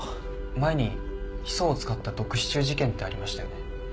前にヒ素を使った毒シチュー事件ってありましたよね。